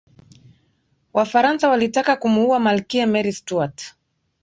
wafaransa walitaka kumuua malkia mary stuart